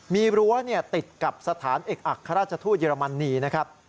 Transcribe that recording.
มีรั้วติดกับสถานเอกอัครราชทูตเยอรมนีนะครับ